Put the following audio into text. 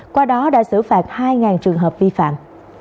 qua đó đã xử phạt hai trường hợp vi phạm